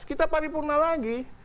kita paripurna lagi